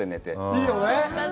いいよね。